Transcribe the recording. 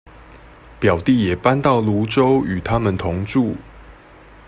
表弟也搬到蘆洲與他們同住